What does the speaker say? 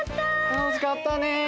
たのしかったね！